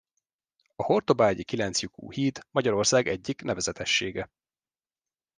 A Hortobágyi kilenclyukú híd Magyarország egyik nevezetessége.